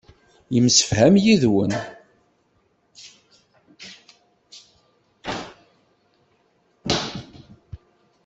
Yemsefham yid-wen.